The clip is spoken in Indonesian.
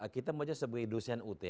kita membaca sebagai dosen ut